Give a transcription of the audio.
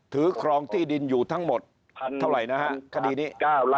ครองที่ดินอยู่ทั้งหมดเท่าไหร่นะฮะคดีนี้